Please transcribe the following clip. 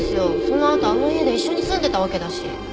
そのあとあの家で一緒に住んでたわけだし。